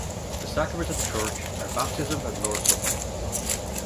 The sacraments of the church are baptism and the Lord's Supper.